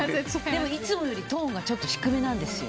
でもいつもよりトーンがちょっと低めなんですよ。